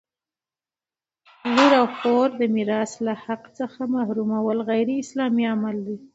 لور او خور د میراث له حق څخه محرومول غیراسلامي عمل دی!